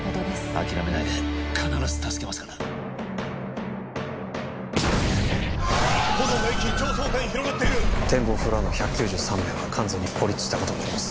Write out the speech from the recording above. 諦めないで必ず助けますから炎が一気に上層階に広がっている展望フロアの１９３名は完全に孤立したことになります